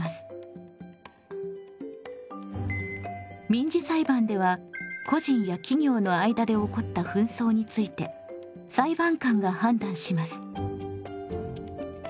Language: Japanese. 民事裁判では個人や企業の間で起こった紛争について裁判官が判断します。